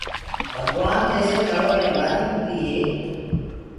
ڀگوآن جيسي ٿݪو مي وآريٚ اُڏديٚ هي